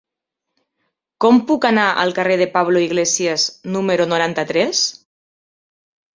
Com puc anar al carrer de Pablo Iglesias número noranta-tres?